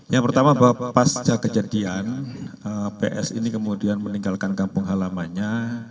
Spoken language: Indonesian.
yang pertama bahwa pasca kejadian ps ini kemudian meninggalkan kampung halamannya